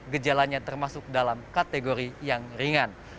hal ini termasuk dalam kategori yang ringan